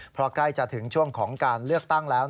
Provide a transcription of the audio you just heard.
เพราะใกล้จะถึงช่วงของการเลือกตั้งแล้ว